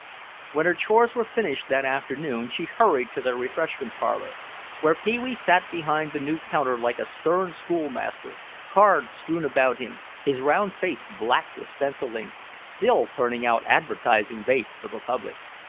When her chores were finished that afternoon she hurried to their refreshment parlor, where Pee wee sat behind the new counter like a stern schoolmaster, cards strewn about him, his round face black with stencil ink, still turning out advertising bait for the public.